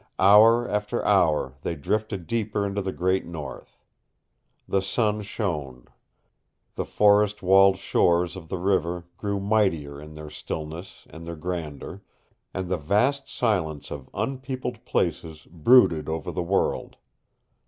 Hour after hour they drifted deeper into the great North. The sun shone. The forest walled shores of the river grew mightier in their stillness and their grandeur, and the vast silence of unpeopled places brooded over the world.